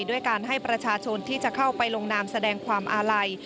ด้วยการให้ประชาชนที่จะเข้าไปลงนามแสดงความอาลัย